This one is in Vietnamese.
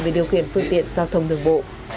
về điều khiển phương tiện giao thông đường bộ